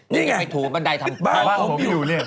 นี่ไงบ้านผมอยู่นี่